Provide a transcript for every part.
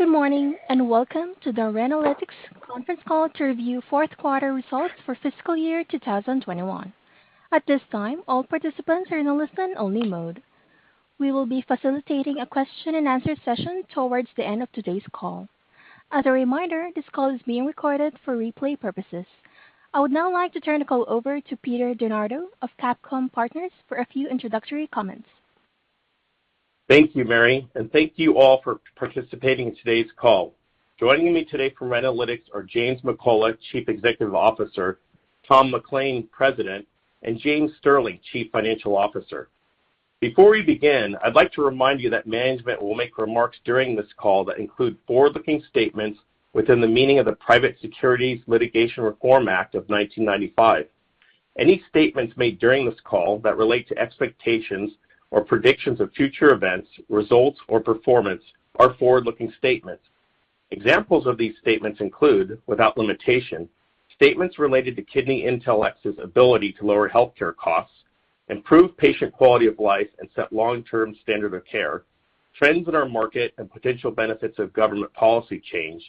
Good morning, welcome to the Renalytix conference call to review fourth quarter results for fiscal year 2021. At this time, all participants are in a listen-only mode. We will be facilitating a question and answer session towards the end of today's call. As a reminder, this call is being recorded for replay purposes. I would now like to turn the call over to Peter DiNardo of Capcomm Partners for a few introductory comments. Thank you, Mary, and thank you all for participating in today's call. Joining me today from Renalytix are James McCullough, Chief Executive Officer, Tom McLain, President, and James Sterling, Chief Financial Officer. Before we begin, I'd like to remind you that management will make remarks during this call that include forward-looking statements within the meaning of the Private Securities Litigation Reform Act of 1995. Any statements made during this call that relate to expectations or predictions of future events, results, or performance are forward-looking statements. Examples of these statements include, without limitation, statements related to KidneyIntelX's ability to lower healthcare costs, improve patient quality of life, and set long-term standard of care, trends in our market and potential benefits of government policy change,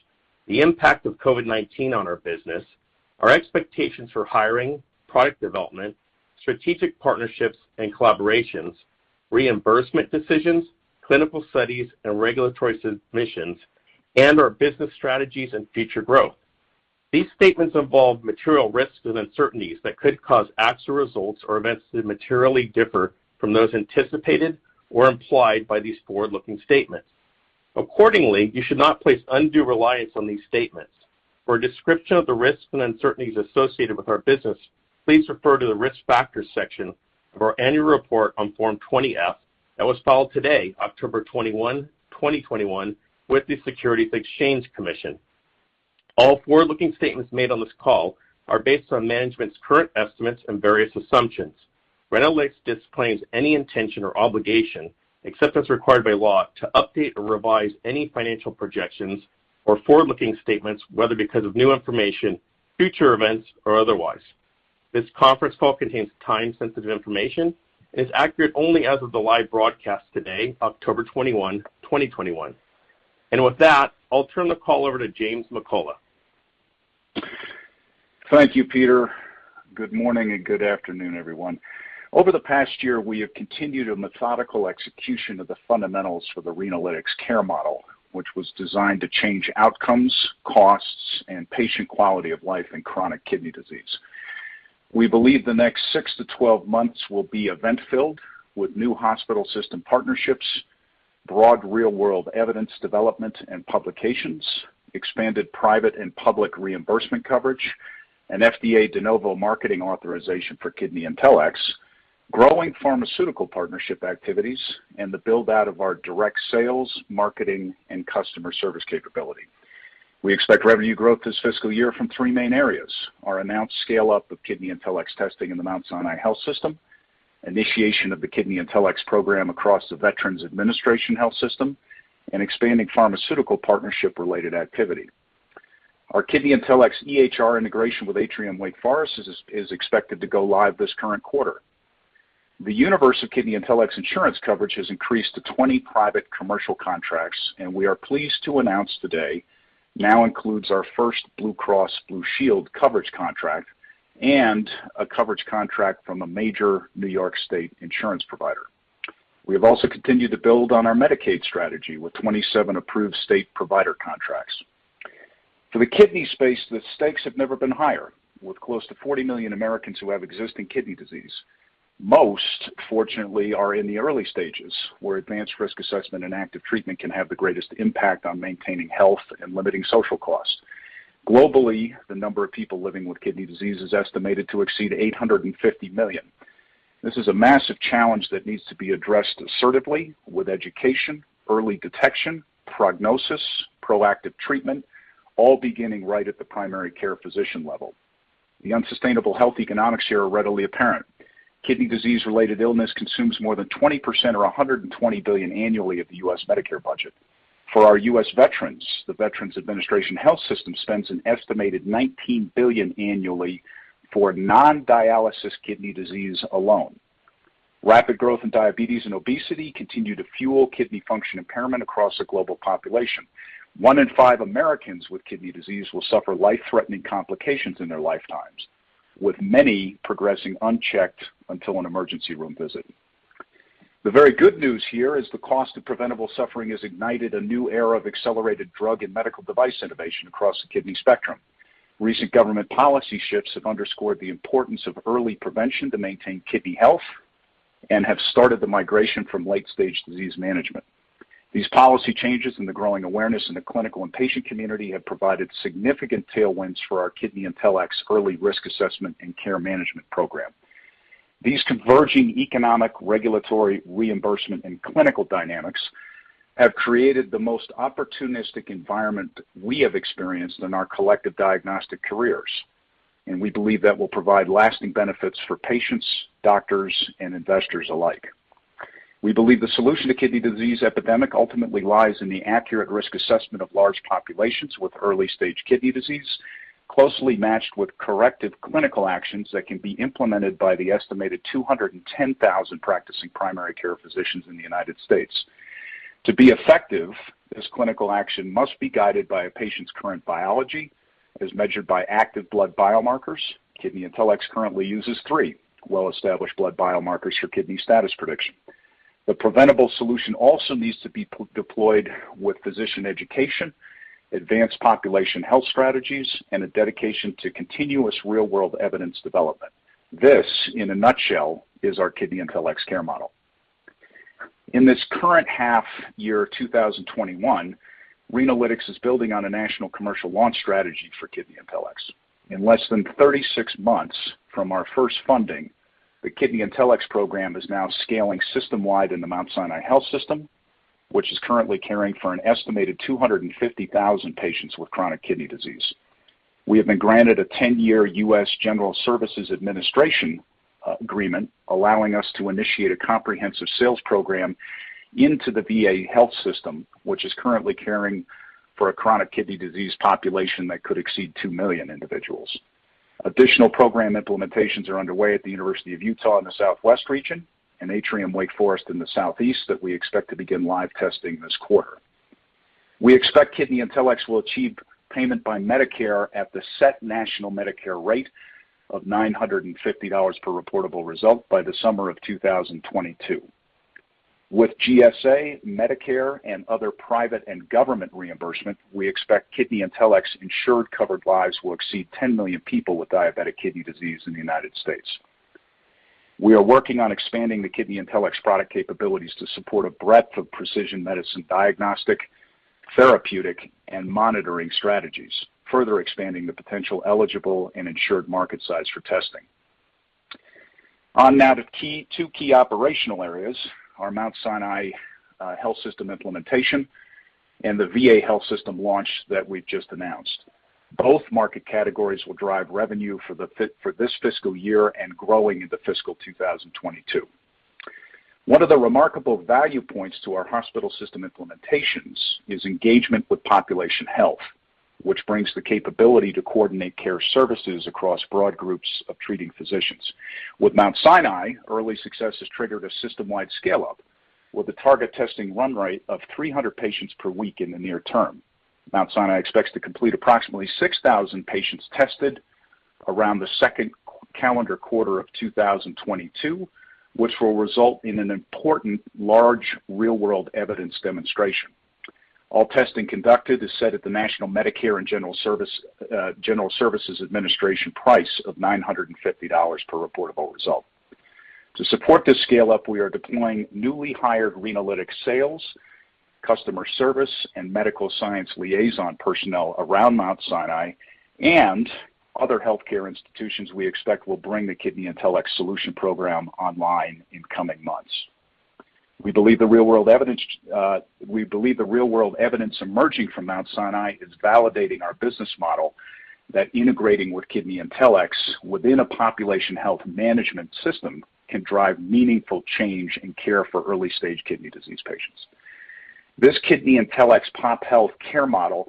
the impact of COVID-19 on our business, our expectations for hiring, product development, strategic partnerships and collaborations, reimbursement decisions, clinical studies and regulatory submissions, and our business strategies and future growth. These statements involve material risks and uncertainties that could cause actual results or events to materially differ from those anticipated or implied by these forward-looking statements. Accordingly, you should not place undue reliance on these statements. For a description of the risks and uncertainties associated with our business, please refer to the Risk Factors section of our annual report on Form 20-F that was filed today, October 21, 2021, with the Securities and Exchange Commission. All forward-looking statements made on this call are based on management's current estimates and various assumptions. Renalytix disclaims any intention or obligation, except as required by law, to update or revise any financial projections or forward-looking statements, whether because of new information, future events, or otherwise. This conference call contains time-sensitive information and is accurate only as of the live broadcast today, October 21, 2021. With that, I'll turn the call over to James McCullough. Thank you, Peter. Good morning and good afternoon, everyone. Over the past year, we have continued a methodical execution of the fundamentals for the Renalytix care model, which was designed to change outcomes, costs, and patient quality of life in chronic kidney disease. We believe the next 6-12 months will be event-filled with new hospital system partnerships, broad real-world evidence development and publications, expanded private and public reimbursement coverage, an FDA De Novo marketing authorization for KidneyIntelX, growing pharmaceutical partnership activities, and the build-out of our direct sales, marketing, and customer service capability. We expect revenue growth this fiscal year from three main areas. Our announced scale-up of KidneyIntelX testing in the Mount Sinai Health System, initiation of the KidneyIntelX program across the Veterans Administration health system, and expanding pharmaceutical partnership-related activity. Our KidneyIntelX EHR integration with Atrium Wake Forest is expected to go live this current quarter. The universe of KidneyIntelX insurance coverage has increased to 20 private commercial contracts, and we are pleased to announce today now includes our first Blue Cross Blue Shield coverage contract and a coverage contract from a major New York State insurance provider. We have also continued to build on our Medicaid strategy with 27 approved state provider contracts. For the kidney space, the stakes have never been higher, with close to 40 million Americans who have existing kidney disease. Most, fortunately, are in the early stages, where advanced risk assessment and active treatment can have the greatest impact on maintaining health and limiting social costs. Globally, the number of people living with kidney disease is estimated to exceed 850 million. This is a massive challenge that needs to be addressed assertively with education, early detection, prognosis, proactive treatment, all beginning right at the primary care physician level. The unsustainable health economics here are readily apparent. Kidney disease-related illness consumes more than 20% or $120 billion annually of the U.S. Medicare budget. For our U.S. veterans, the Veterans Health Administration spends an estimated $19 billion annually for non-dialysis kidney disease alone. Rapid growth in diabetes and obesity continue to fuel kidney function impairment across the global population. One in five Americans with kidney disease will suffer life-threatening complications in their lifetimes, with many progressing unchecked until an emergency room visit. The very good news here is the cost of preventable suffering has ignited a new era of accelerated drug and medical device innovation across the kidney spectrum. Recent government policy shifts have underscored the importance of early prevention to maintain kidney health and have started the migration from late-stage disease management. These policy changes and the growing awareness in the clinical and patient community have provided significant tailwinds for our KidneyIntelX early risk assessment and care management program. These converging economic, regulatory, reimbursement, and clinical dynamics have created the most opportunistic environment we have experienced in our collective diagnostic careers. We believe that will provide lasting benefits for patients, doctors, and investors alike. We believe the solution to kidney disease epidemic ultimately lies in the accurate risk assessment of large populations with early-stage kidney disease. Closely matched with corrective clinical actions that can be implemented by the estimated 210,000 practicing primary care physicians in the United States. To be effective, this clinical action must be guided by a patient's current biology as measured by active blood biomarkers. KidneyIntelX currently uses three well-established blood biomarkers for kidney status prediction. The preventable solution also needs to be deployed with physician education, advanced population health strategies, and a dedication to continuous real-world evidence development. This, in a nutshell, is our KidneyIntelX care model. In this current half year 2021, Renalytix is building on a national commercial launch strategy for KidneyIntelX. In less than 36 months from our first funding, the KidneyIntelX program is now scaling system-wide in the Mount Sinai Health System, which is currently caring for an estimated 250,000 patients with chronic kidney disease. We have been granted a 10-year U.S. General Services Administration agreement allowing us to initiate a comprehensive sales program into the VA health system, which is currently caring for a chronic kidney disease population that could exceed 2 million individuals. Additional program implementations are underway at the University of Utah in the Southwest region and Atrium Wake Forest in the Southeast that we expect to begin live testing this quarter. We expect KidneyIntelX will achieve payment by Medicare at the set national Medicare rate of $950 per reportable result by the summer of 2022. With GSA, Medicare, and other private and government reimbursement, we expect KidneyIntelX insured covered lives will exceed 10 million people with diabetic kidney disease in the United States. We are working on expanding the KidneyIntelX product capabilities to support a breadth of precision medicine diagnostic, therapeutic, and monitoring strategies, further expanding the potential eligible and insured market size for testing. On now to two key operational areas, our Mount Sinai Health System implementation and the VA health system launch that we've just announced. Both market categories will drive revenue for this fiscal year and growing into fiscal 2022. One of the remarkable value points to our hospital system implementations is engagement with population health, which brings the capability to coordinate care services across broad groups of treating physicians. With Mount Sinai, early success has triggered a system-wide scale-up with a target testing run rate of 300 patients per week in the near term. Mount Sinai expects to complete approximately 6,000 patients tested around the second calendar quarter of 2022, which will result in an important, large, real-world evidence demonstration. All testing conducted is set at the national Medicare and General Services Administration price of $950 per reportable result. To support this scale-up, we are deploying newly hired Renalytix sales, customer service, and medical science liaison personnel around Mount Sinai and other healthcare institutions we expect will bring the KidneyIntelX solution program online in coming months. We believe the real-world evidence emerging from Mount Sinai is validating our business model that integrating with KidneyIntelX within a population health management system can drive meaningful change in care for early-stage kidney disease patients. This KidneyIntelX pop health care model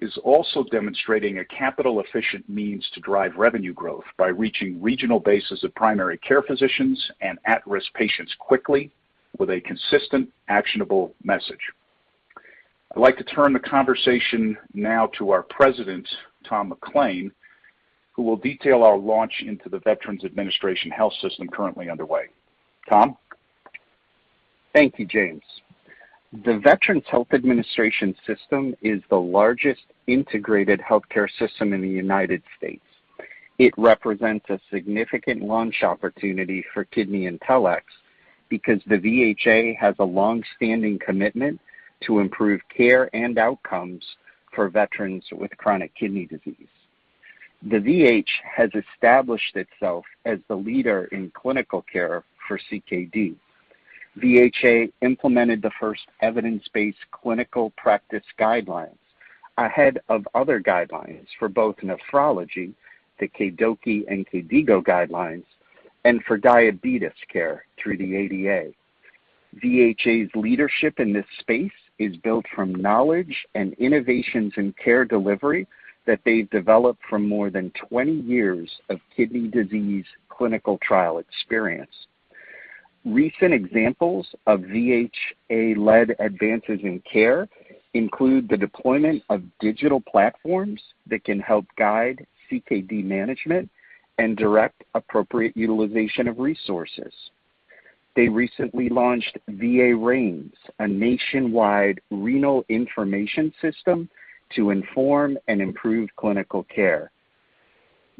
is also demonstrating a capital-efficient means to drive revenue growth by reaching regional bases of primary care physicians and at-risk patients quickly with a consistent, actionable message. I'd like to turn the conversation now to our president, Tom McLain, who will detail our launch into the Veterans Health Administration health system currently underway. Tom? Thank you, James. The Veterans Health Administration system is the largest integrated healthcare system in the United States. It represents a significant launch opportunity for KidneyIntelX because the VHA has a longstanding commitment to improve care and outcomes for veterans with chronic kidney disease. The VHA has established itself as the leader in clinical care for CKD. VHA implemented the first evidence-based clinical practice guidelines ahead of other guidelines for both nephrology, the KDOQI and KDIGO guidelines, and for diabetes care through the ADA. VHA's leadership in this space is built from knowledge and innovations in care delivery that they've developed from more than 20 years of kidney disease clinical trial experience. Recent examples of VHA-led advances in care include the deployment of digital platforms that can help guide CKD management and direct appropriate utilization of resources. They recently launched VA-REINS, a nationwide renal information system to inform and improve clinical care.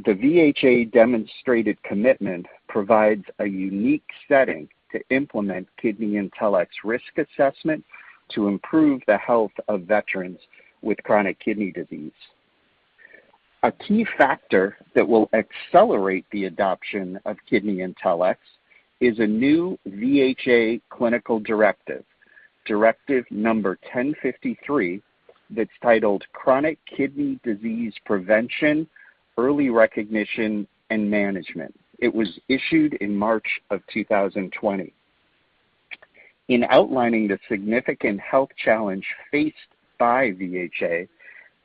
The VHA demonstrated commitment provides a unique setting to implement KidneyIntelX risk assessment to improve the health of veterans with chronic kidney disease. A key factor that will accelerate the adoption of KidneyIntelX is a new VHA clinical directive, directive number 1053, that's titled "Chronic Kidney Disease Prevention, Early Recognition, and Management." It was issued in March 2020. In outlining the significant health challenge faced by VHA,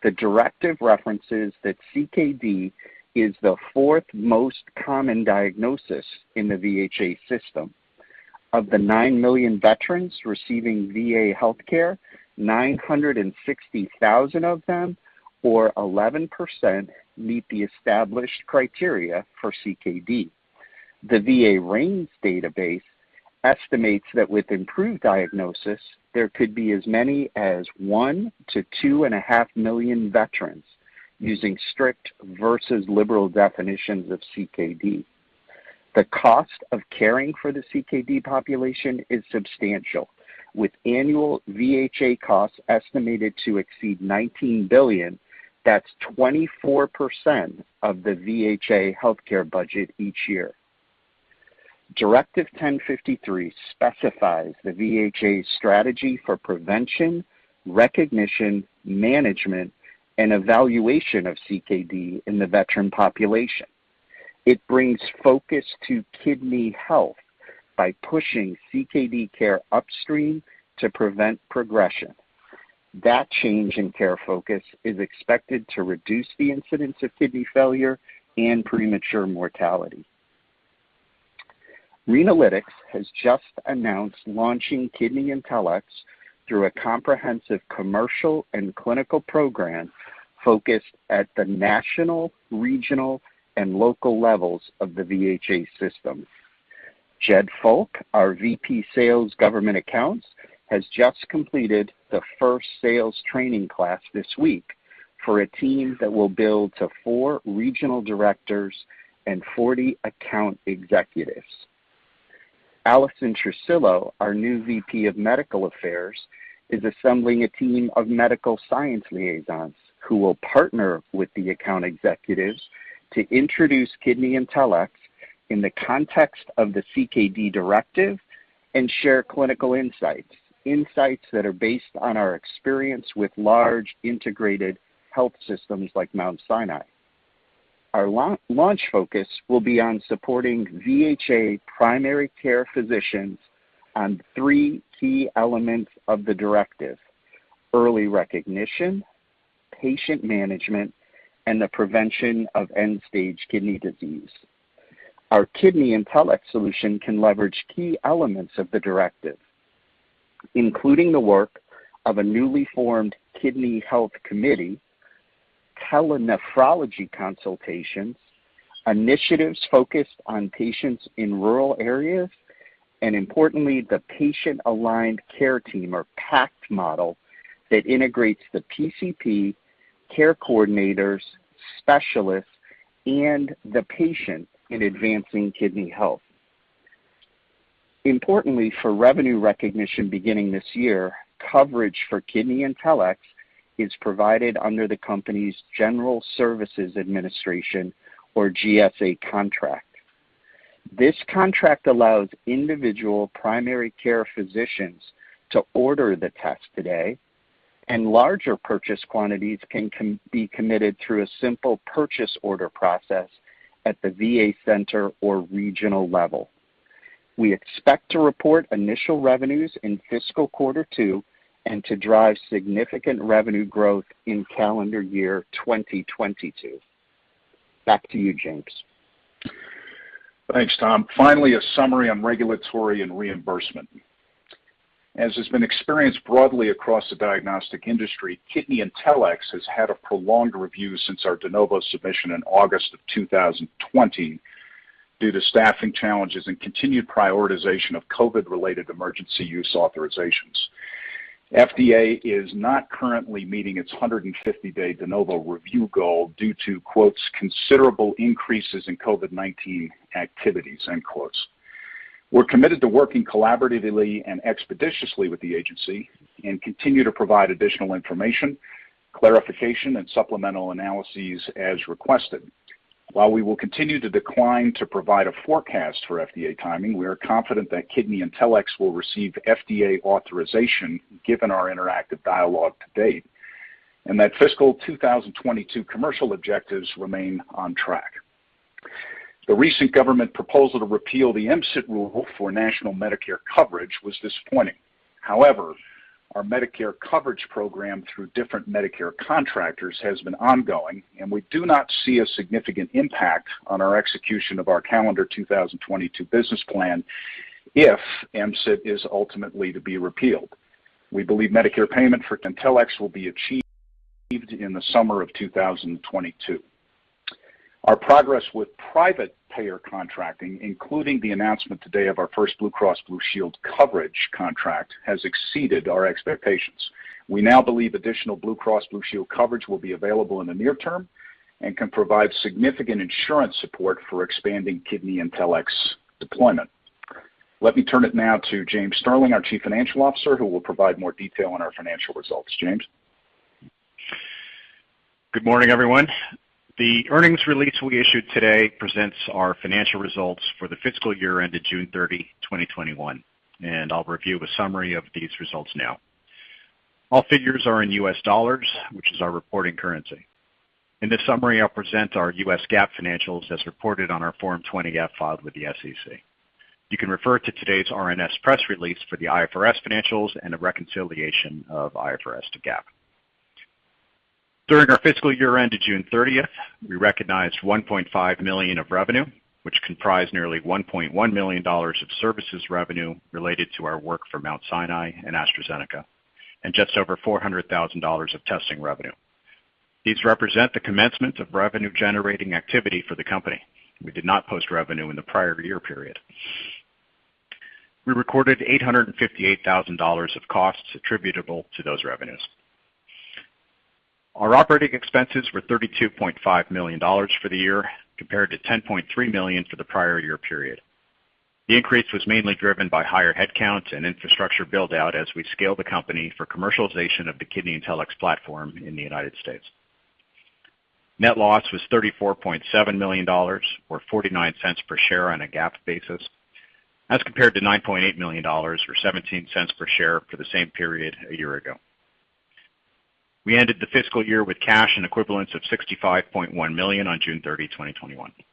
the directive references that CKD is the fourth most common diagnosis in the VHA system. Of the 9 million veterans receiving VA healthcare, 960,000 of them, or 11%, meet the established criteria for CKD. The VA-REINS database estimates that with improved diagnosis, there could be as many as 1 million-2.5 million veterans using strict versus liberal definitions of CKD. The cost of caring for the CKD population is substantial, with annual VHA costs estimated to exceed $19 billion. That's 24% of the VHA healthcare budget each year. Directive 1053 specifies the VHA's strategy for prevention, recognition, management, and evaluation of CKD in the veteran population. It brings focus to kidney health by pushing CKD care upstream to prevent progression. That change in care focus is expected to reduce the incidence of kidney failure and premature mortality. Renalytix has just announced launching KidneyIntelX through a comprehensive commercial and clinical program focused at the national, regional, and local levels of the VHA system. Jed Falk, our VP Sales Government Accounts, has just completed the first sales training class this week for a team that will build to four regional directors and 40 account executives. Alison Trucillo, our new VP of medical affairs, is assembling a team of medical science liaisons who will partner with the account executives to introduce KidneyIntelX in the context of the CKD directive and share clinical insights, insights that are based on our experience with large integrated health systems like Mount Sinai. Our launch focus will be on supporting VHA primary care physicians on three key elements of the directive: early recognition, patient management, and the prevention of end-stage kidney disease. Our KidneyIntelX solution can leverage key elements of the directive, including the work of a newly formed kidney health committee, tele-nephrology consultations, initiatives focused on patients in rural areas, and importantly, the patient aligned care team, or PACT model that integrates the PCP, care coordinators, specialists, and the patient in advancing kidney health. Importantly for revenue recognition beginning this year, coverage for KidneyIntelX is provided under the company's General Services Administration, or GSA contract. This contract allows individual primary care physicians to order the test today, and larger purchase quantities can be committed through a simple purchase order process at the VA center or regional level. We expect to report initial revenues in fiscal quarter two and to drive significant revenue growth in calendar year 2022. Back to you, James. Thanks, Tom. Finally, a summary on regulatory and reimbursement. As has been experienced broadly across the diagnostic industry, KidneyIntelX has had a prolonged review since our De Novo submission in August of 2020 due to staffing challenges and continued prioritization of COVID-19-related emergency use authorizations. FDA is not currently meeting its 150-day De Novo review goal due to, "Considerable increases in COVID-19 activities." We're committed to working collaboratively and expeditiously with the agency and continue to provide additional information, clarification, and supplemental analyses as requested. While we will continue to decline to provide a forecast for FDA timing, we are confident that KidneyIntelX will receive FDA authorization given our interactive dialogue to date, and that fiscal 2022 commercial objectives remain on track. The recent government proposal to repeal the MCIT rule for national Medicare coverage was disappointing. However, our Medicare coverage program through different Medicare contractors has been ongoing, and we do not see a significant impact on our execution of our calendar 2022 business plan if MCIT is ultimately to be repealed. We believe Medicare payment for IntelX will be achieved in the summer of 2022. Our progress with private payer contracting, including the announcement today of our first Blue Cross Blue Shield coverage contract, has exceeded our expectations. We now believe additional Blue Cross Blue Shield coverage will be available in the near term and can provide significant insurance support for expanding KidneyIntelX deployment. Let me turn it now to James Sterling, our Chief Financial Officer, who will provide more detail on our financial results. James? Good morning, everyone. The earnings release we issued today presents our financial results for the fiscal year ended June 30, 2021. I'll review a summary of these results now. All figures are in US dollars, which is our reporting currency. In this summary, I'll present our US GAAP financials as reported on our Form 20-F filed with the SEC. You can refer to today's RNS press release for the IFRS financials and a reconciliation of IFRS to GAAP. During our fiscal year end to June 30, we recognized $1.5 million of revenue, which comprised nearly $1.1 million of services revenue related to our work for Mount Sinai and AstraZeneca, and just over $400,000 of testing revenue. These represent the commencement of revenue-generating activity for the company. We did not post revenue in the prior year period. We recorded $858,000 of costs attributable to those revenues. Our operating expenses were $32.5 million for the year, compared to $10.3 million for the prior year period. The increase was mainly driven by higher headcounts and infrastructure build-out as we scale the company for commercialization of the KidneyIntelX platform in the United States. Net loss was $34.7 million, or $0.49 per share on a GAAP basis, as compared to $9.8 million or $0.17 per share for the same period a year ago. We ended the fiscal year with cash and equivalents of $65.1 million on June 30, 2021. We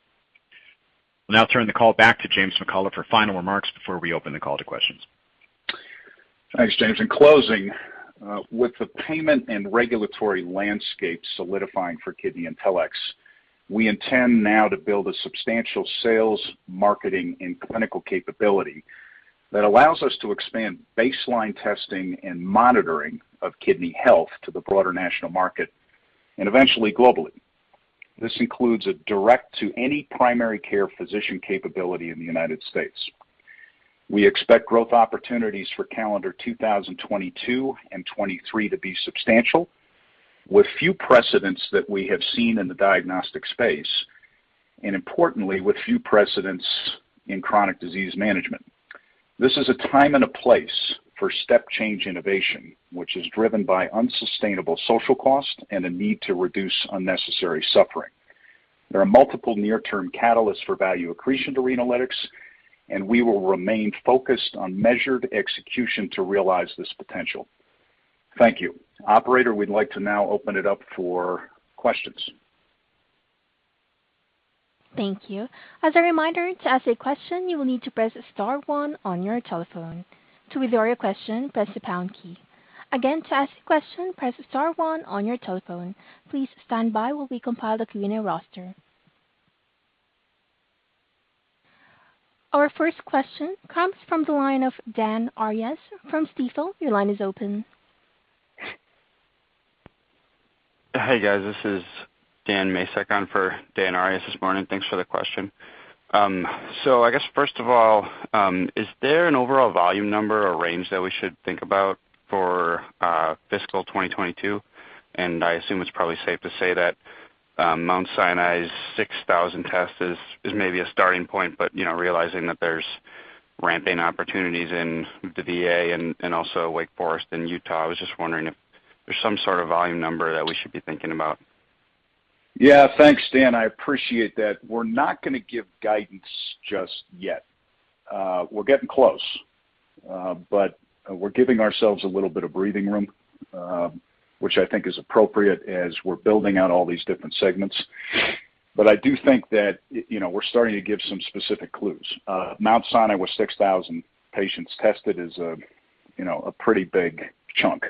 will now turn the call back to James McCullough for final remarks before we open the call to questions. Thanks, James. In closing, with the payment and regulatory landscape solidifying for KidneyIntelX, we intend now to build a substantial sales, marketing, and clinical capability that allows us to expand baseline testing and monitoring of kidney health to the broader national market, and eventually globally. This includes a direct to any primary care physician capability in the United States. We expect growth opportunities for calendar 2022 and 2023 to be substantial, with few precedents that we have seen in the diagnostic space, and importantly, with few precedents in chronic disease management. This is a time and a place for step change innovation, which is driven by unsustainable social cost and a need to reduce unnecessary suffering. There are multiple near-term catalysts for value accretion to Renalytix. We will remain focused on measured execution to realize this potential. Thank you. Operator, we'd like to now open it up for questions. Thank you. As a reminder, to ask a question you will need to press star one on your telephone. To withdraw your question, press the pound key. Again to ask a question, press star one on your telephone. Please stand by as we compile the Q&A roster. Our first question comes from the line of Dan Arias from Stifel. Your line is open. Hey, guys. This is Dan Masek on for Dan Arias this morning. Thanks for the question. I guess first of all, is there an overall volume number or range that we should think about for fiscal 2022? I assume it's probably safe to say that Mount Sinai's 6,000 tests is maybe a starting point, but realizing that there's ramping opportunities in the VA and also Wake Forest and Utah. I was just wondering if there's some sort of volume number that we should be thinking about. Yeah. Thanks, Dan. I appreciate that. We're not going to give guidance just yet. We're getting close. We're giving ourselves a little bit of breathing room, which I think is appropriate as we're building out all these different segments. I do think that we're starting to give some specific clues. Mount Sinai with 6,000 patients tested is a pretty big chunk.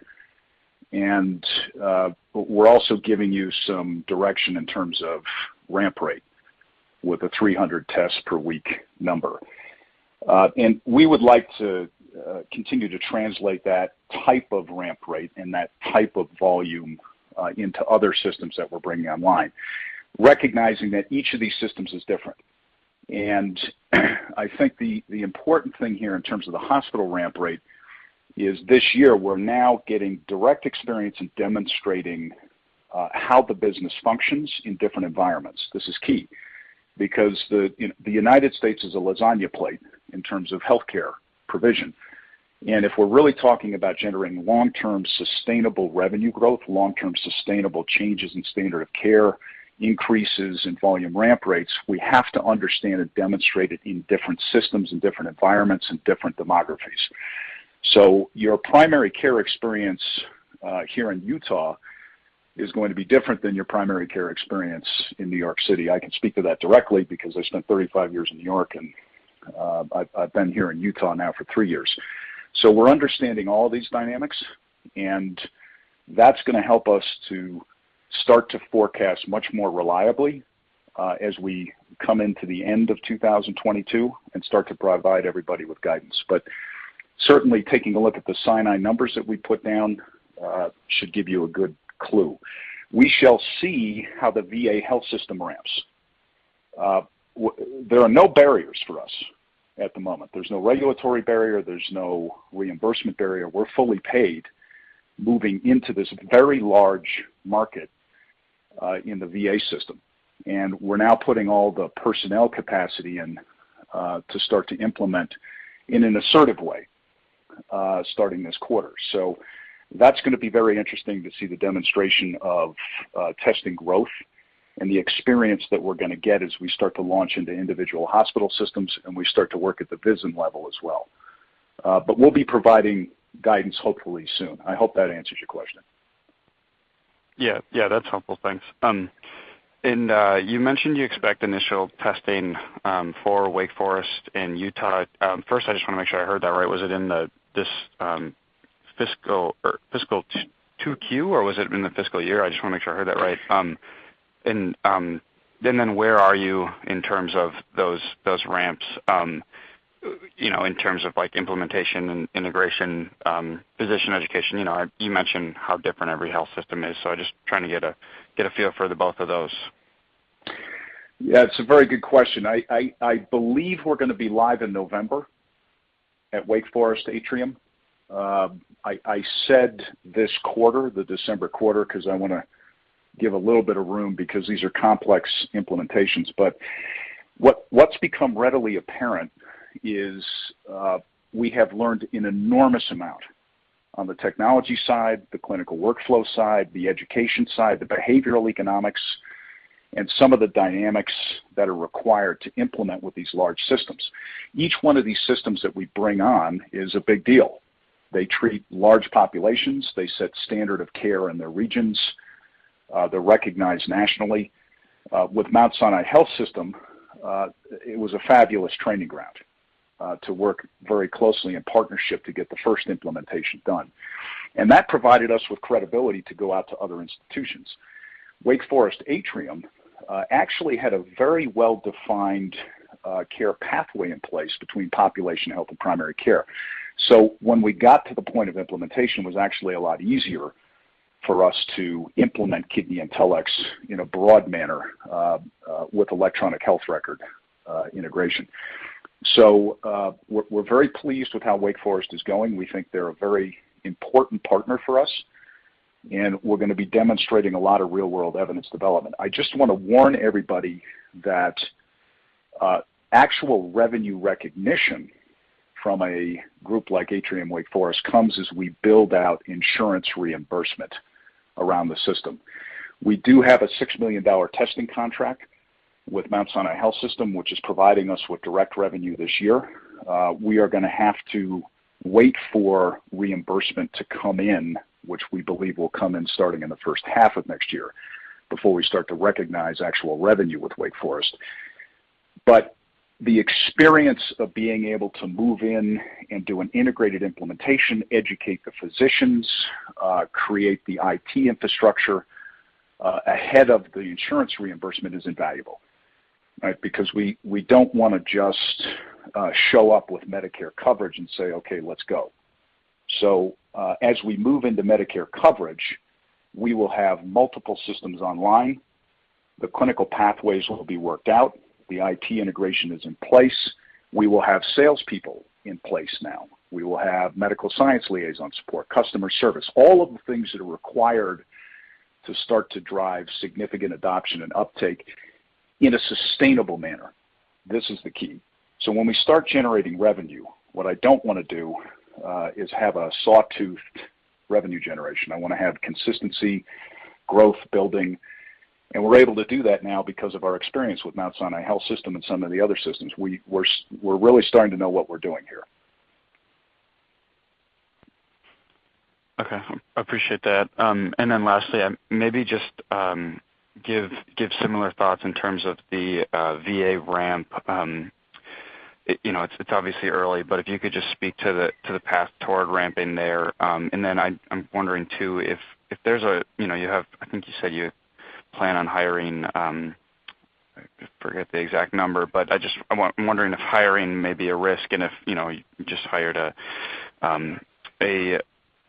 We're also giving you some direction in terms of ramp rate with the 300 tests per week number. We would like to continue to translate that type of ramp rate and that type of volume into other systems that we're bringing online, recognizing that each of these systems is different. I think the important thing here in terms of the hospital ramp rate is this year, we're now getting direct experience in demonstrating how the business functions in different environments. This is key, because the United States is a lasagna plate in terms of healthcare provision. If we're really talking about generating long-term sustainable revenue growth, long-term sustainable changes in standard of care, increases in volume ramp rates, we have to understand and demonstrate it in different systems, in different environments, in different demographies. Your primary care experience here in Utah is going to be different than your primary care experience in New York City. I can speak to that directly because I spent 35 years in New York and I've been here in Utah now for three years. We're understanding all these dynamics, and that's going to help us to start to forecast much more reliably as we come into the end of 2022 and start to provide everybody with guidance. Certainly taking a look at the Sinai numbers that we put down should give you a good clue. We shall see how the VA health system ramps. There's no barriers for us at the moment. There's no regulatory barrier, there's no reimbursement barrier. We're fully paid moving into this very large market in the VA system. We're now putting all the personnel capacity in to start to implement in an assertive way starting this quarter. That's going to be very interesting to see the demonstration of testing growth and the experience that we're going to get as we start to launch into individual hospital systems, and we start to work at the business level as well. We'll be providing guidance hopefully soon. I hope that answers your question. Yeah. That's helpful. Thanks. You mentioned you expect initial testing for Wake Forest and Utah. First, I just want to make sure I heard that right. Was it in this fiscal 2Q, or was it in the fiscal year? I just want to make sure I heard that right. Where are you in terms of those ramps, in terms of implementation and integration, physician education. You mentioned how different every health system is, so I'm just trying to get a feel for the both of those. It's a very good question. I believe we're going to be live in November at Wake Forest Atrium. I said this quarter, the December quarter, because I want to give a little bit of room because these are complex implementations. What's become readily apparent is, we have learned an enormous amount on the technology side, the clinical workflow side, the education side, the behavioral economics, and some of the dynamics that are required to implement with these large systems. Each one of these systems that we bring on is a big deal. They treat large populations, they set standard of care in their regions, they're recognized nationally. With Mount Sinai Health System, it was a fabulous training ground, to work very closely in partnership to get the first implementation done. That provided us with credibility to go out to other institutions. Wake Forest Atrium actually had a very well-defined care pathway in place between population health and primary care. When we got to the point of implementation, it was actually a lot easier for us to implement KidneyIntelX in a broad manner, with electronic health record integration. We're very pleased with how Wake Forest is going. We think they're a very important partner for us, and we're going to be demonstrating a lot of real-world evidence development. I just want to warn everybody that actual revenue recognition from a group like Atrium Wake Forest comes as we build out insurance reimbursement around the system. We do have a $6 million testing contract with Mount Sinai Health System, which is providing us with direct revenue this year. We are going to have to wait for reimbursement to come in, which we believe will come in starting in the first half of next year before we start to recognize actual revenue with Wake Forest. The experience of being able to move in and do an integrated implementation, educate the physicians, create the IT infrastructure, ahead of the insurance reimbursement is invaluable. Right. Because we don't want to just show up with Medicare coverage and say, "Okay, let's go." As we move into Medicare coverage, we will have multiple systems online. The clinical pathways will be worked out. The IT integration is in place. We will have salespeople in place now. We will have medical science liaison support, customer service, all of the things that are required to start to drive significant adoption and uptake in a sustainable manner. This is the key. When we start generating revenue, what I don't want to do is have a sawtooth revenue generation. I want to have consistency, growth building, and we're able to do that now because of our experience with Mount Sinai Health System and some of the other systems. We're really starting to know what we're doing here. Okay. Appreciate that. Lastly, maybe just give similar thoughts in terms of the VA ramp. It's obviously early, but if you could just speak to the path toward ramping there. I'm wondering too, I think you said you plan on hiring, I forget the exact number, but I'm wondering if hiring may be a risk and if you just hired a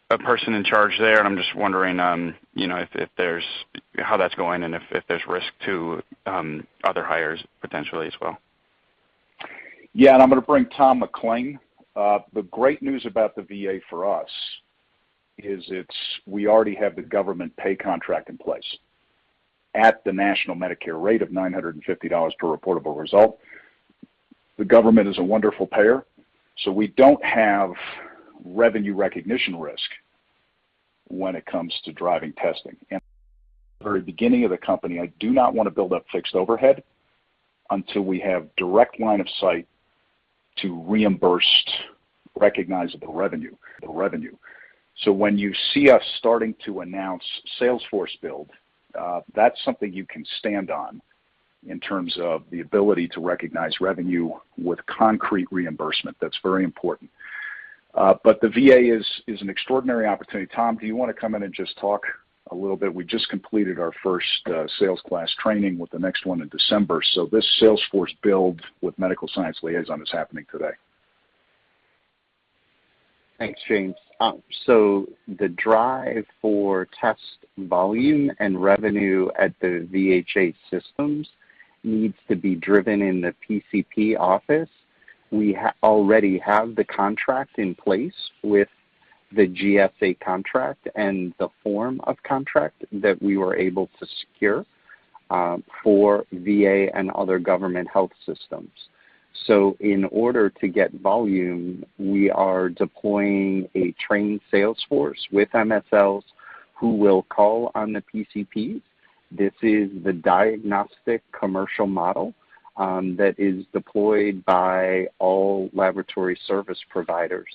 person in charge there, and I'm just wondering how that's going and if there's risk to other hires potentially as well. I'm going to bring Tom McLain. The great news about the VA for us is we already have the government pay contract in place at the national Medicare rate of $950 per reportable result. The government is a wonderful payer. We don't have revenue recognition risk when it comes to driving testing. In the very beginning of the company, I do not want to build up fixed overhead until we have direct line of sight to reimbursed, recognizable revenue. When you see us starting to announce sales force build, that's something you can stand on in terms of the ability to recognize revenue with concrete reimbursement. That's very important. The VA is an extraordinary opportunity. Tom, do you want to come in and just talk a little bit? We just completed our first sales class training with the next one in December. This sales force build with medical science liaison is happening today. Thanks, James. The drive for test volume and revenue at the VHA systems needs to be driven in the PCP office. We already have the contract in place with the GSA contract and the form of contract that we were able to secure for VA and other government health systems. In order to get volume, we are deploying a trained sales force with MSLs who will call on the PCPs. This is the diagnostic commercial model that is deployed by all laboratory service providers.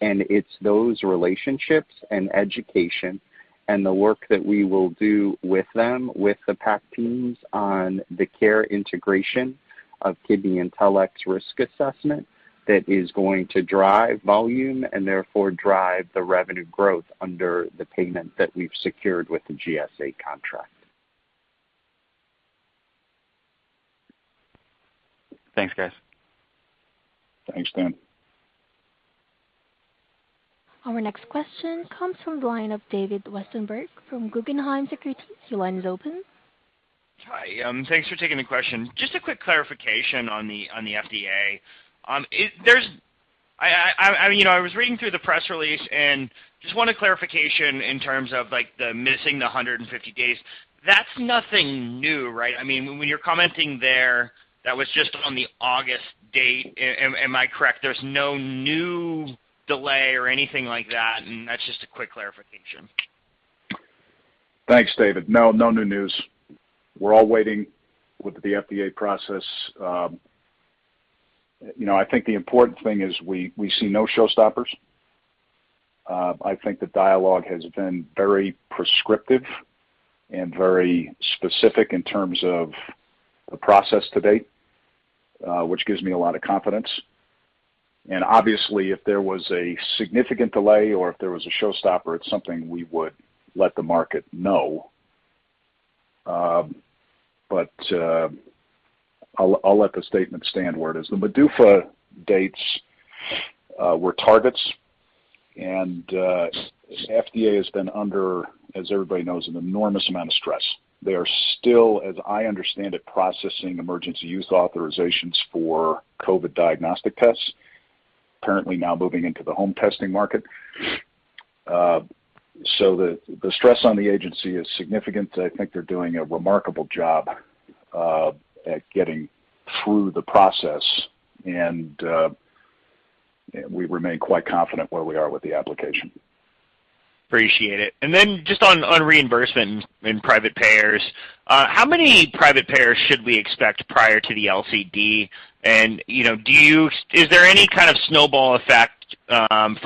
It's those relationships and education and the work that we will do with them, with the PACT teams on the care integration of KidneyIntelX's risk assessment, that is going to drive volume and therefore drive the revenue growth under the payment that we've secured with the GSA contract. Thanks, guys. Thanks, Dan. Our next question comes from the line of David Westenberg from Guggenheim Securities. Your line is open. Hi. Thanks for taking the question. Just a quick clarification on the FDA. I was reading through the press release and just wanted clarification in terms of the missing the 150 days. That's nothing new, right? I mean, when you're commenting there, that was just on the August date. Am I correct? There's no new delay or anything like that. That's just a quick clarification. Thanks, David. No new news. We're all waiting with the FDA process. I think the important thing is we see no showstoppers. I think the dialogue has been very prescriptive and very specific in terms of the process to date, which gives me a lot of confidence. Obviously, if there was a significant delay or if there was a showstopper, it's something we would let the market know. I'll let the statement stand where it is. The PDUFA dates were targets, and FDA has been under, as everybody knows, an enormous amount of stress. They are still, as I understand it, processing emergency use authorizations for COVID-19 diagnostic tests, currently now moving into the home testing market. The stress on the agency is significant. I think they're doing a remarkable job at getting through the process. We remain quite confident where we are with the application. Appreciate it. Just on reimbursement and private payers. How many private payers should we expect prior to the LCD? Is there any kind of snowball effect from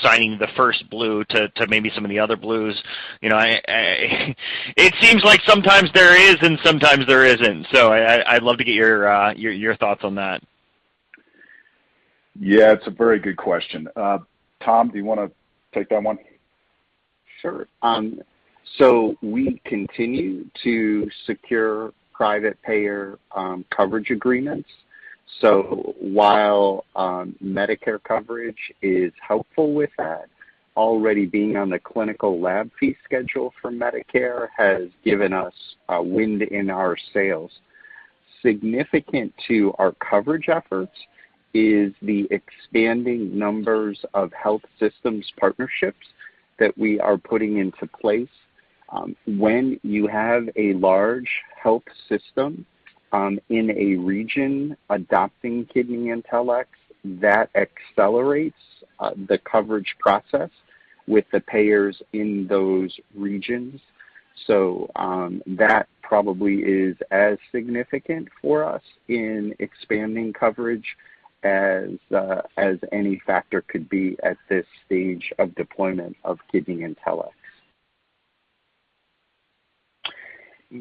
signing the first Blue to maybe some of the other Blues? It seems like sometimes there is, and sometimes there isn't. I'd love to get your thoughts on that. It's a very good question. Tom, do you want to take that one? Sure. We continue to secure private payer coverage agreements. While Medicare coverage is helpful with that, already being on the Clinical Laboratory Fee Schedule for Medicare has given us a wind in our sails. Significant to our coverage efforts is the expanding numbers of health systems partnerships that we are putting into place. When you have a large health system in a region adopting KidneyIntelX, that accelerates the coverage process with the payers in those regions. That probably is as significant for us in expanding coverage as any factor could be at this stage of deployment of KidneyIntelX.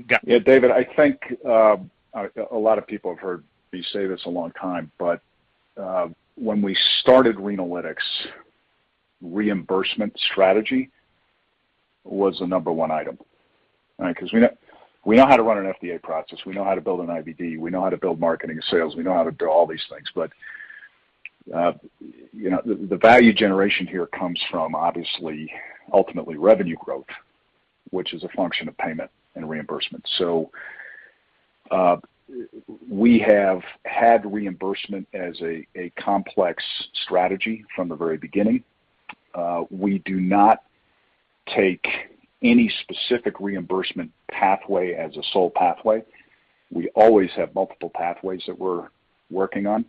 Got it. David, I think a lot of people have heard me say this a long time, when we started Renalytix, reimbursement strategy was the number one item. We know how to run an FDA process. We know how to build an IVD. We know how to build marketing and sales. We know how to do all these things. The value generation here comes from obviously, ultimately revenue growth, which is a function of payment and reimbursement. We have had reimbursement as a complex strategy from the very beginning. We do not take any specific reimbursement pathway as a sole pathway. We always have multiple pathways that we're working on.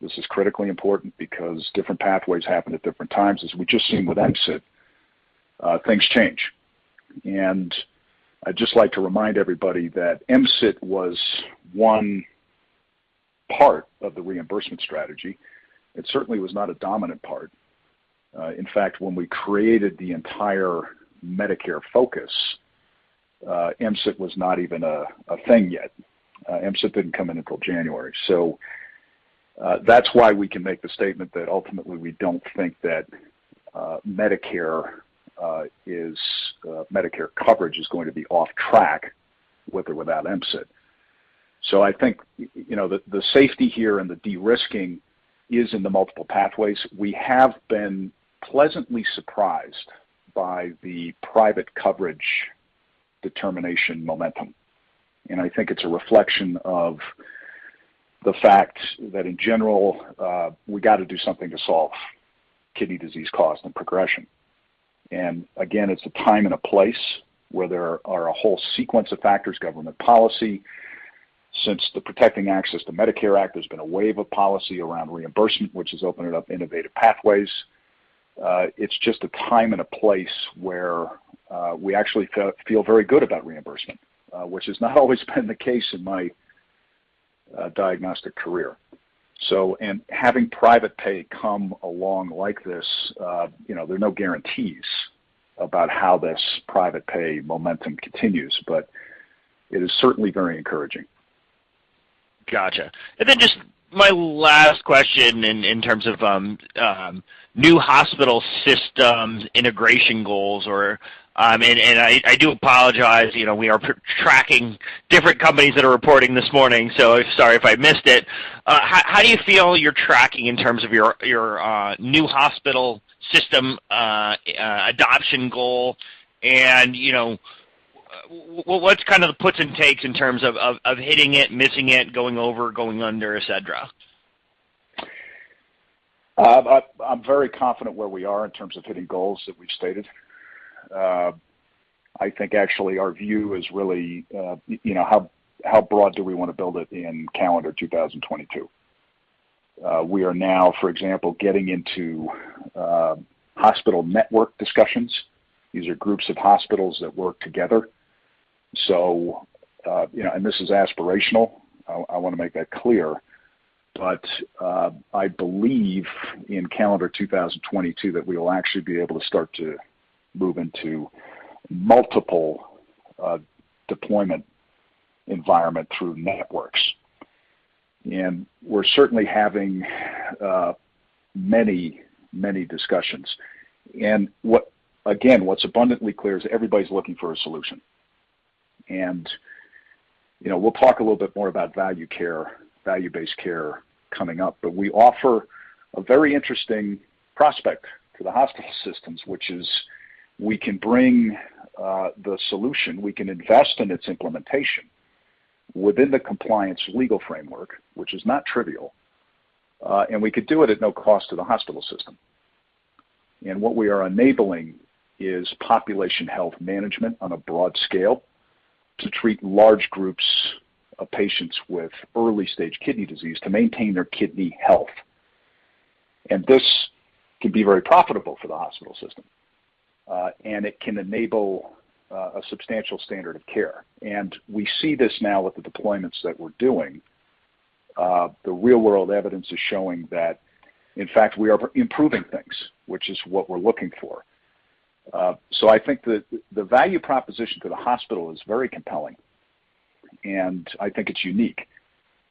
This is critically important because different pathways happen at different times. As we just seen with MCIT, things change. I'd just like to remind everybody that MCIT was one part of the reimbursement strategy. It certainly was not a dominant part. In fact, when we created the entire Medicare focus, MCIT was not even a thing yet. MCIT didn't come in until January. That's why we can make the statement that ultimately we don't think that Medicare coverage is going to be off track with or without MCIT. I think the safety here and the de-risking is in the multiple pathways. We have been pleasantly surprised by the private coverage determination momentum. I think it's a reflection of the fact that in general, we got to do something to solve kidney disease cause and progression. Again, it's a time and a place where there are a whole sequence of factors, government policy. Since the Protecting Access to Medicare Act, there's been a wave of policy around reimbursement, which has opened up innovative pathways. It's just a time and a place where we actually feel very good about reimbursement, which has not always been the case in my diagnostic career. Having private pay come along like this, there are no guarantees about how this private pay momentum continues, but it is certainly very encouraging. Got you. Just my last question in terms of new hospital systems, integration goals, or, and I do apologize, we are tracking different companies that are reporting this morning, so sorry if I missed it. How do you feel you're tracking in terms of your new hospital system adoption goal and what's kind of the puts and takes in terms of hitting it, missing it, going over, going under, et cetera? I'm very confident where we are in terms of hitting goals that we've stated. I think actually our view is really how broad do we want to build it in calendar 2022? We are now, for example, getting into hospital network discussions. These are groups of hospitals that work together. This is aspirational, I want to make that clear, but I believe in calendar 2022 that we will actually be able to start to move into multiple deployment environment through networks. We're certainly having many discussions. Again, what's abundantly clear is everybody's looking for a solution. We'll talk a little bit more about value-based care coming up, but we offer a very interesting prospect to the hospital systems, which is we can bring the solution, we can invest in its implementation within the compliance legal framework, which is not trivial. We could do it at no cost to the hospital system. What we are enabling is population health management on a broad scale to treat large groups of patients with early-stage kidney disease to maintain their kidney health. This could be very profitable for the hospital system. It can enable a substantial standard of care. We see this now with the deployments that we're doing. The real-world evidence is showing that, in fact, we are improving things, which is what we're looking for. I think that the value proposition to the hospital is very compelling, and I think it's unique.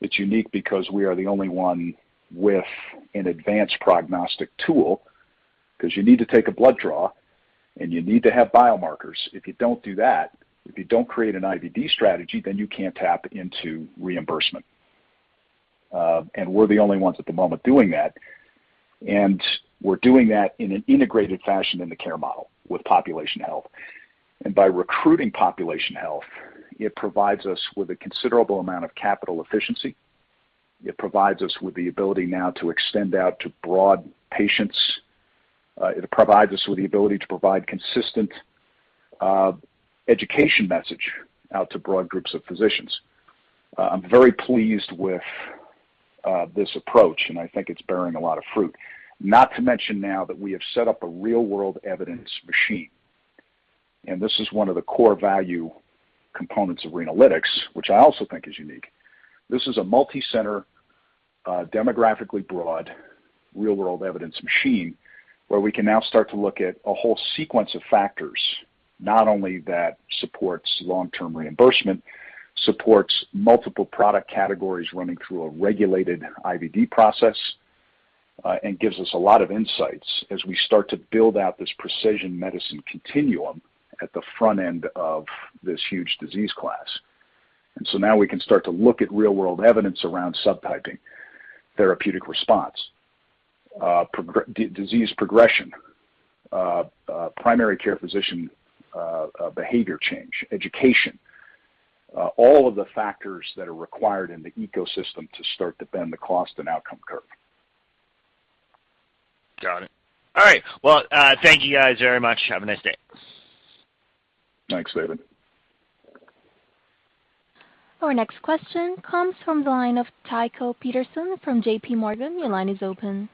It's unique because we are the only one with an advanced prognostic tool, because you need to take a blood draw, and you need to have biomarkers. If you don't do that, if you don't create an IVD strategy, you can't tap into reimbursement. We're the only ones at the moment doing that, and we're doing that in an integrated fashion in the care model with population health. By recruiting population health, it provides us with a considerable amount of capital efficiency. It provides us with the ability now to extend out to broad patients. It provides us with the ability to provide consistent education message out to broad groups of physicians. I'm very pleased with this approach, and I think it's bearing a lot of fruit. Not to mention now that we have set up a real-world evidence machine, and this is one of the core value components of Renalytix, which I also think is unique. This is a multi-center, demographically broad, real-world evidence machine where we can now start to look at a whole sequence of factors, not only that supports long-term reimbursement, supports multiple product categories running through a regulated IVD process, and gives us a lot of insights as we start to build out this precision medicine continuum at the front end of this huge disease class. Now we can start to look at real-world evidence around subtyping, therapeutic response, disease progression, primary care physician behavior change, education, all of the factors that are required in the ecosystem to start to bend the cost and outcome curve. Got it. All right. Well, thank you guys very much. Have a nice day. Thanks, David. Our next question comes from the line of Tycho Peterson from JPMorgan. Your line is open.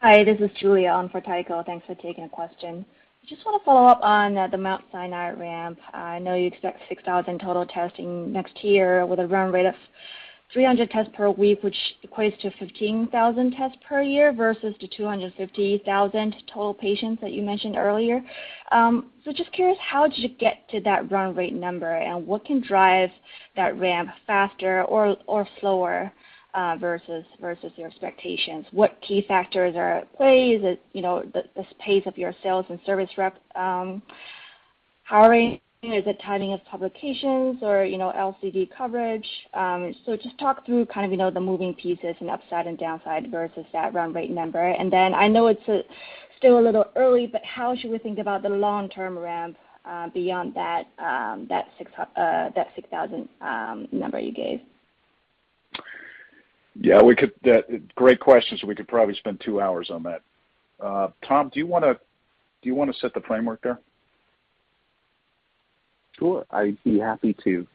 Hi, this is Julia on for Tycho. Thanks for taking a question. Just want to follow up on the Mount Sinai ramp. I know you expect 6,000 total testing next year with a run rate of 300 tests per week, which equates to 15,000 tests per year versus the 250,000 total patients that you mentioned earlier. Just curious, how did you get to that run rate number, and what can drive that ramp faster or slower, versus your expectations? What key factors are at play? Is it the pace of your sales and service rep hiring? Is it timing of publications or LCD coverage? Just talk through kind of the moving pieces and upside and downside versus that run rate number. I know it's still a little early, but how should we think about the long-term ramp, beyond that 6,000 number you gave? Yeah. Great question. We could probably spend two hours on that. Tom, do you want to set the framework there? I'd be happy to.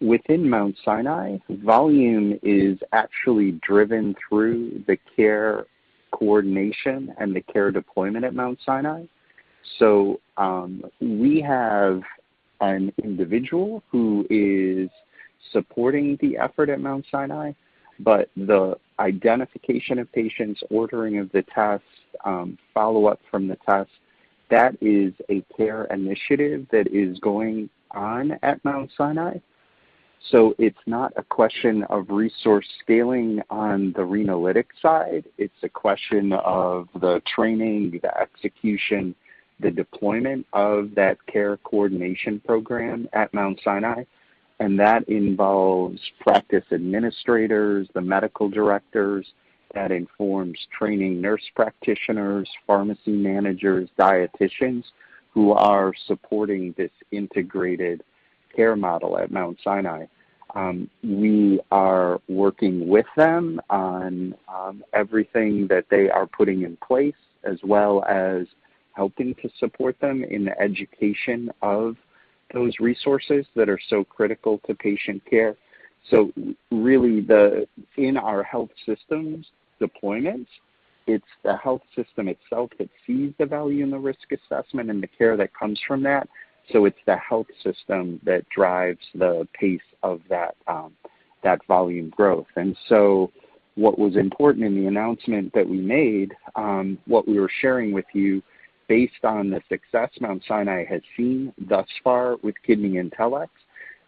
Within Mount Sinai, volume is actually driven through the care coordination and the care deployment at Mount Sinai. We have an individual who is supporting the effort at Mount Sinai, but the identification of patients, ordering of the tests, follow-up from the tests, that is a care initiative that is going on at Mount Sinai. It's not a question of resource scaling on the Renalytix side. It's a question of the training, the execution, the deployment of that care coordination program at Mount Sinai. That involves practice administrators, the medical directors. That informs training nurse practitioners, pharmacy managers, dietitians who are supporting this integrated care model at Mount Sinai. We are working with them on everything that they are putting in place, as well as helping to support them in the education of those resources that are so critical to patient care. Really, in our health systems deployments, it's the health system itself that sees the value in the risk assessment and the care that comes from that. So it's the health system that drives the piece of that volume growth. So what was important in the announcement that we made, what we were sharing with you based on the success Mount Sinai has seen thus far with KidneyIntelX,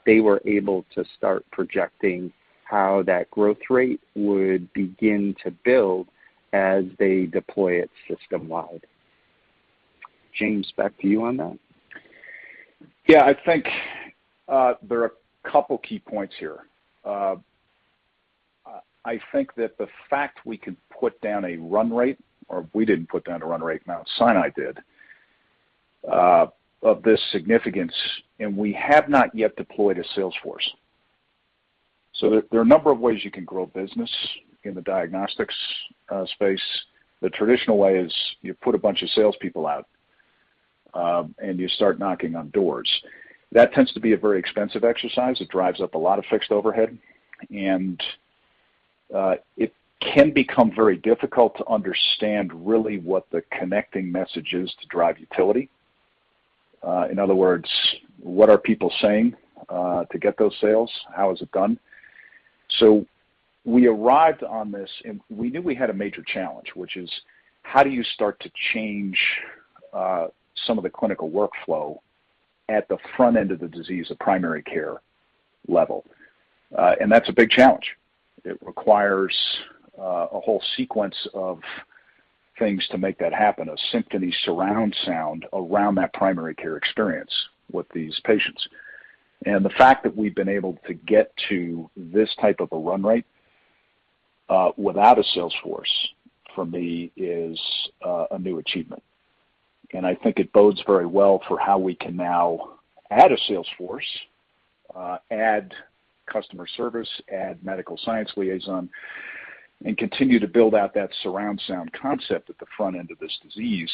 they were able to start projecting how that growth rate would begin to build as they deploy it system-wide. James, back to you on that. I think there are a couple key points here. I think that the fact we could put down a run rate, or we didn't put down a run rate, Mount Sinai did, of this significance, and we have not yet deployed a sales force. There are a number of ways you can grow business in the diagnostics space. The traditional way is you put a bunch of salespeople out, and you start knocking on doors. That tends to be a very expensive exercise. It drives up a lot of fixed overhead, and it can become very difficult to understand really what the connecting message is to drive utility. In other words, what are people saying to get those sales? How is it done? We arrived on this, and we knew we had a major challenge, which is how do you start to change some of the clinical workflow at the front end of the disease at primary care level? That's a big challenge. It requires a whole sequence of things to make that happen, a symphony surround sound around that primary care experience with these patients. The fact that we've been able to get to this type of a run rate, without a sales force, for me, is a new achievement. I think it bodes very well for how we can now add a sales force, add customer service, add medical science liaison, and continue to build out that surround sound concept at the front end of this disease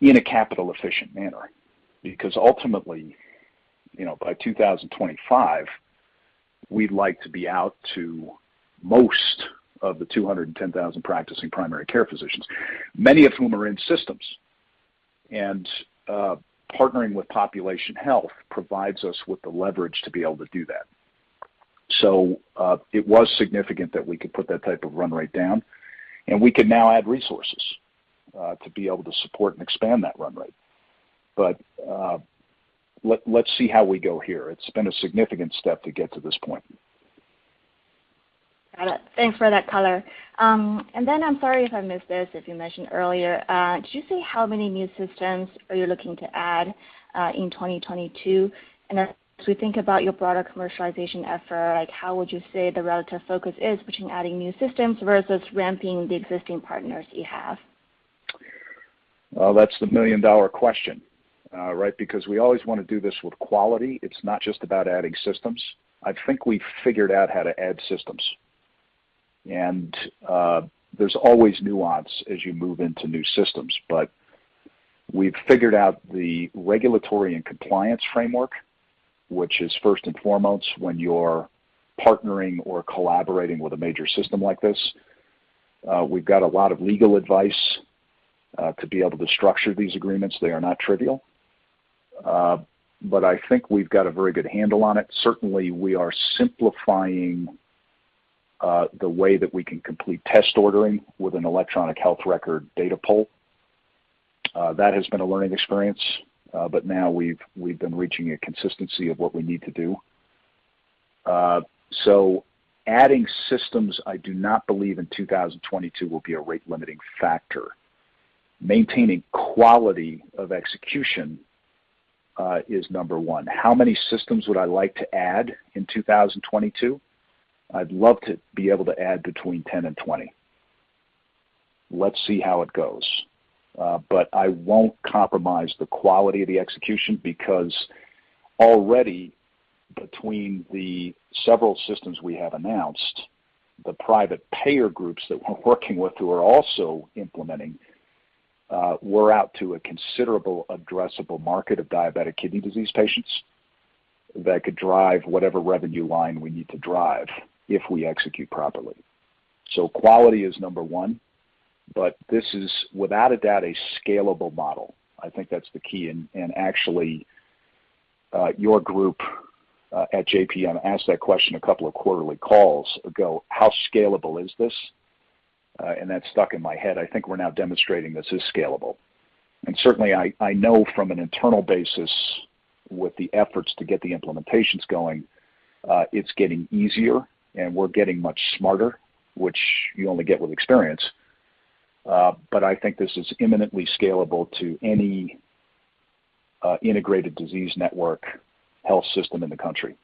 in a capital-efficient manner. Ultimately, by 2025, we'd like to be out to most of the 210,000 practicing primary care physicians, many of whom are in systems. Partnering with population health provides us with the leverage to be able to do that. It was significant that we could put that type of run rate down, and we can now add resources to be able to support and expand that run rate. Let's see how we go here. It's been a significant step to get to this point. Got it. Thanks for that color. I'm sorry if I missed this, if you mentioned earlier. Did you say how many new systems are you looking to add in 2022? As we think about your broader commercialization effort, how would you say the relative focus is between adding new systems versus ramping the existing partners you have? Well, that's the million-dollar question, right? Because we always want to do this with quality. It's not just about adding systems. I think we've figured out how to add systems. There's always nuance as you move into new systems, but we've figured out the regulatory and compliance framework, which is first and foremost when you're partnering or collaborating with a major system like this. We've got a lot of legal advice to be able to structure these agreements. They are not trivial. I think we've got a very good handle on it. Certainly, we are simplifying the way that we can complete test ordering with an electronic health record data pull. That has been a learning experience. Now we've been reaching a consistency of what we need to do. Adding systems, I do not believe in 2022 will be a rate-limiting factor. Maintaining quality of execution is number one. How many systems would I like to add in 2022? I'd love to be able to add between 10 and 20. Let's see how it goes. I won't compromise the quality of the execution because already between the several systems we have announced, the private payer groups that we're working with who are also implementing, we're out to a considerable addressable market of diabetic kidney disease patients that could drive whatever revenue line we need to drive if we execute properly. Quality is number one, but this is without a doubt a scalable model. I think that's the key. Actually, your group at JPM asked that question a couple of quarterly calls ago, "How scalable is this?" That stuck in my head. I think we're now demonstrating this is scalable. Certainly, I know from an internal basis with the efforts to get the implementations going, it's getting easier and we're getting much smarter, which you only get with experience. I think this is imminently scalable to any integrated disease network health system in the country.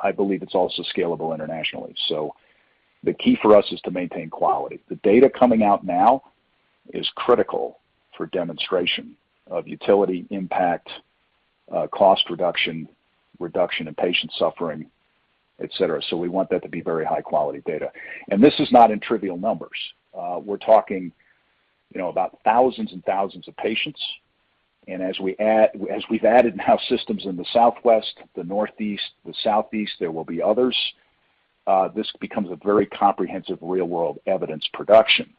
I believe it's also scalable internationally. The key for us is to maintain quality. The data coming out now is critical for demonstration of utility impact, cost reduction in patient suffering, et cetera. We want that to be very high-quality data. This is not in trivial numbers. We're talking about thousands and thousands of patients. As we've added now systems in the Southwest, the Northeast, the Southeast, there will be others. This becomes a very comprehensive real-world evidence production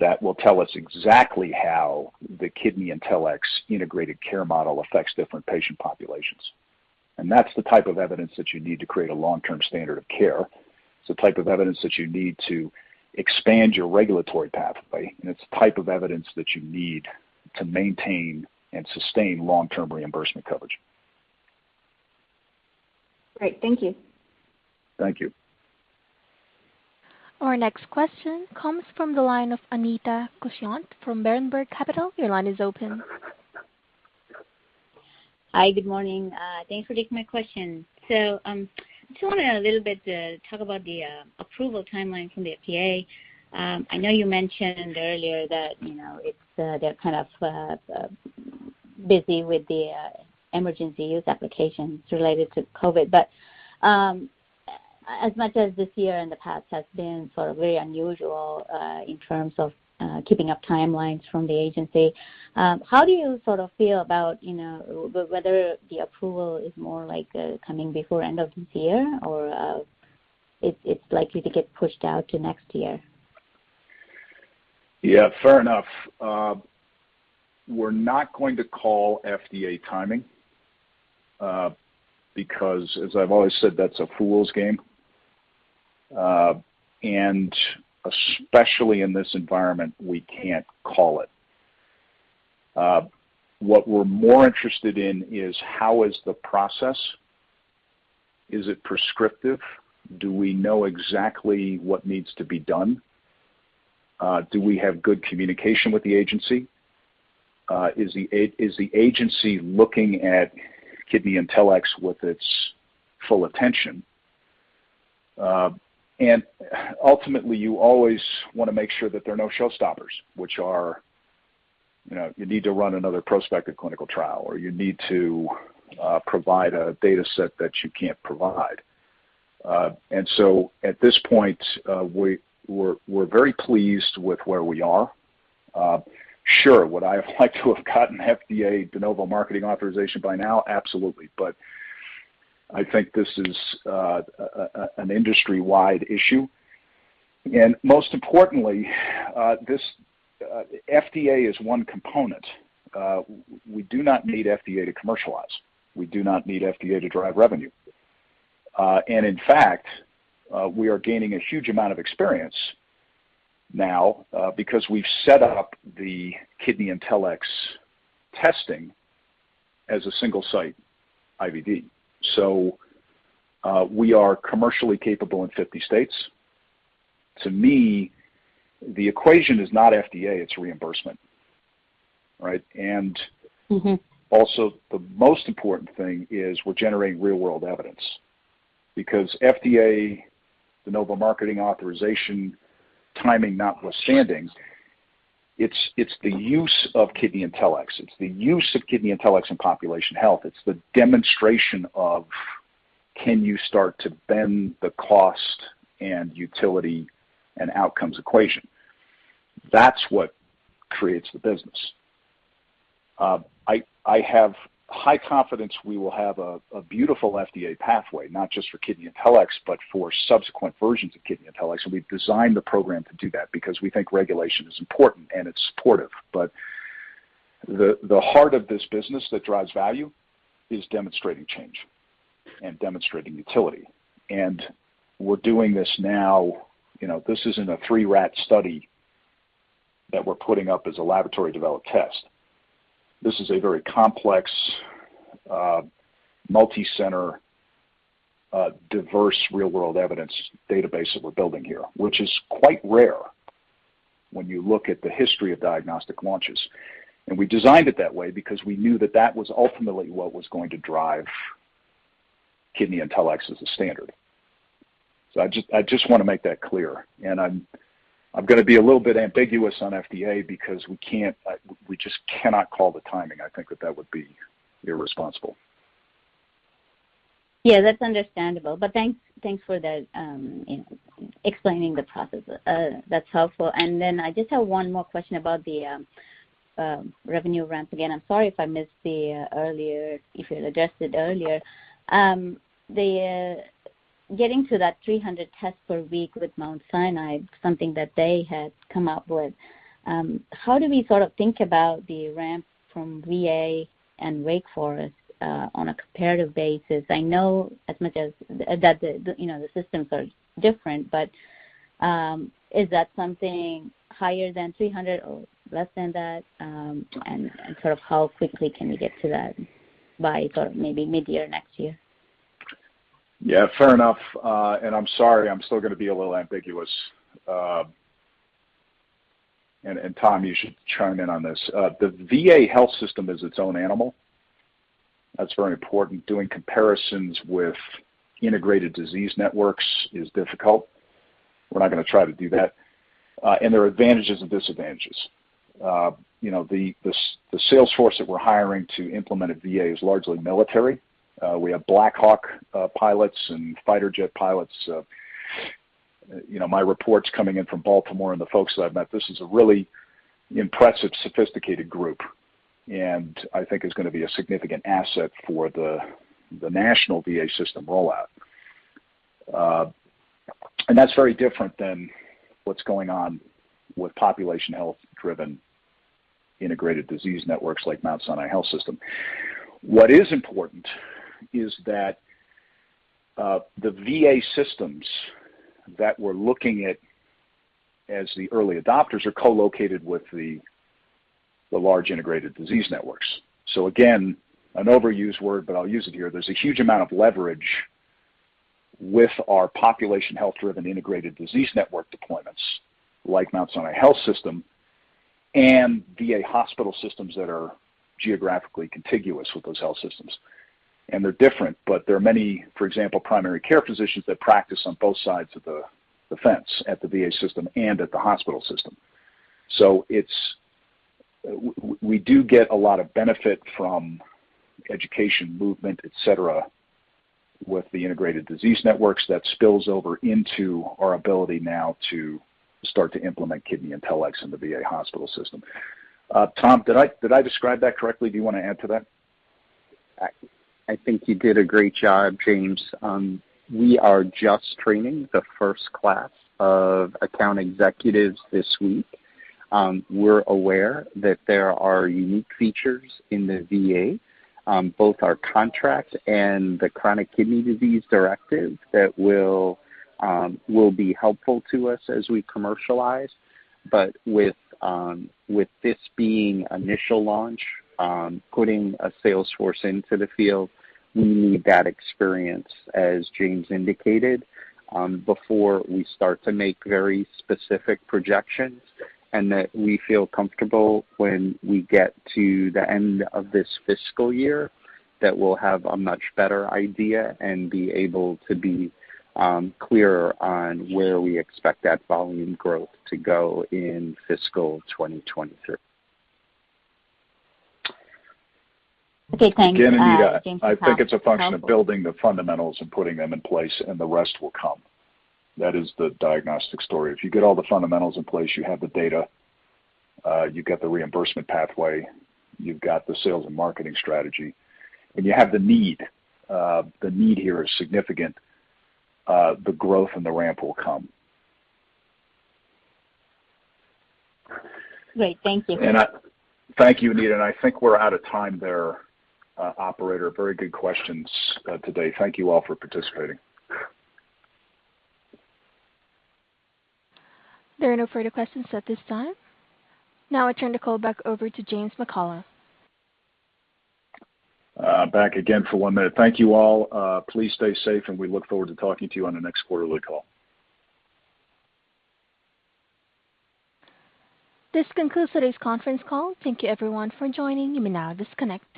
that will tell us exactly how the KidneyIntelX integrated care model affects different patient populations. That's the type of evidence that you need to create a long-term standard of care. It's the type of evidence that you need to expand your regulatory pathway, and it's the type of evidence that you need to maintain and sustain long-term reimbursement coverage. Great. Thank you. Thank you. Our next question comes from the line of Anita Dushyanth from Berenberg Capital. Your line is open. Hi, good morning. Thanks for taking my question. I just wanted a little bit to talk about the approval timeline from the FDA. I know you mentioned earlier that they're kind of busy with the emergency use applications related to COVID-19, but as much as this year and the past has been sort of very unusual, in terms of keeping up timelines from the agency, how do you sort of feel about whether the approval is more like coming before end of this year or it's likely to get pushed out to next year? Yeah, fair enough. We're not going to call FDA timing, because as I've always said, that's a fool's game. Especially in this environment, we can't call it. What we're more interested in is how is the process. Is it prescriptive? Do we know exactly what needs to be done? Do we have good communication with the agency? Is the agency looking at KidneyIntelX with its full attention? Ultimately, you always want to make sure that there are no showstoppers, which are you need to run another prospective clinical trial, or you need to provide a data set that you can't provide. At this point, we're very pleased with where we are. Sure, would I have liked to have gotten FDA De Novo marketing authorization by now? Absolutely. I think this is an industry-wide issue. Most importantly, FDA is one component. We do not need FDA to commercialize. We do not need FDA to drive revenue. In fact, we are gaining a huge amount of experience now because we've set up the KidneyIntelX testing as a single-site IVD. We are commercially capable in 50 states. To me, the equation is not FDA, it's reimbursement. Right? The most important thing is we're generating real-world evidence because FDA De Novo marketing authorization timing notwithstanding, it's the use of KidneyIntelX, it's the use of KidneyIntelX in population health. It's the demonstration of can you start to bend the cost and utility and outcomes equation. That's what creates the business. I have high confidence we will have a beautiful FDA pathway, not just for KidneyIntelX, but for subsequent versions of KidneyIntelX. We've designed the program to do that because we think regulation is important and it's supportive. The heart of this business that drives value is demonstrating change and demonstrating utility. We're doing this now. This isn't a three-rat study that we're putting up as a laboratory-developed test. This is a very complex, multi-center, diverse real-world evidence database that we're building here, which is quite rare when you look at the history of diagnostic launches. We designed it that way because we knew that that was ultimately what was going to drive KidneyIntelX as a standard. I just want to make that clear. I'm going to be a little bit ambiguous on FDA because we just cannot call the timing. I think that that would be irresponsible. Yeah, that's understandable. Thanks for explaining the process. That's helpful. I just have one more question about the revenue ramps. Again, I'm sorry if I missed the earlier, if you had addressed it earlier. Getting to that 300 tests per week with Mount Sinai, something that they had come up with. How do we think about the ramp from VA and Wake Forest on a comparative basis? I know the systems are different, but is that something higher than 300 or less than that? How quickly can we get to that by maybe mid-year next year? Yeah, fair enough. I'm sorry, I'm still going to be a little ambiguous. Tom, you should chime in on this. The VA health system is its own animal. That's very important. Doing comparisons with integrated disease networks is difficult. We're not going to try to do that. There are advantages and disadvantages. The sales force that we're hiring to implement at VA is largely military. We have Black Hawk pilots and fighter jet pilots. My reports coming in from Baltimore and the folks that I've met, this is a really impressive, sophisticated group. I think is going to be a significant asset for the national VA system rollout. That's very different than what's going on with population health-driven integrated disease networks like Mount Sinai Health System. What is important is that the VA systems that we're looking at as the early adopters are co-located with the large integrated disease networks. Again, an overused word, but I'll use it here. There's a huge amount of leverage with our population health-driven integrated disease network deployments, like Mount Sinai Health System, and VA hospital systems that are geographically contiguous with those health systems. They're different, but there are many, for example, primary care physicians that practice on both sides of the fence at the VA system and at the hospital system. We do get a lot of benefit from education movement, et cetera, with the integrated disease networks that spills over into our ability now to start to implement KidneyIntelX in the VA hospital system. Tom, did I describe that correctly? Do you want to add to that? I think you did a great job, James. We are just training the first class of account executives this week. We're aware that there are unique features in the VA, both our contract and the chronic kidney disease directive that will be helpful to us as we commercialize. With this being initial launch, putting a sales force into the field, we need that experience, as James indicated, before we start to make very specific projections. That we feel comfortable when we get to the end of this fiscal year, that we'll have a much better idea and be able to be clearer on where we expect that volume growth to go in fiscal 2023. Okay. Thanks, Tom. Again, Anita, I think it's a function of building the fundamentals and putting them in place, and the rest will come. That is the diagnostic story. If you get all the fundamentals in place, you have the data, you've got the reimbursement pathway, you've got the sales and marketing strategy, and you have the need. The need here is significant. The growth and the ramp will come. Great. Thank you. Thank you, Anita, and I think we're out of time there. Operator, very good questions today. Thank you all for participating. There are no further questions at this time. I turn the call back over to James McCullough. Back again for one minute. Thank you all. Please stay safe, and we look forward to talking to you on the next quarterly call. This concludes today's conference call. Thank you everyone for joining. You may now disconnect.